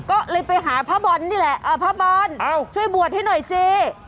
ก็เลยไปหาพระบอลนี่แหละพระบอลช่วยบวชให้หน่อยสิ